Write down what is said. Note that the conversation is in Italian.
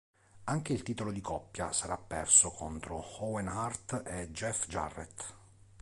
Anche il titolo di coppia sarà perso contro Owen Hart e Jeff Jarrett.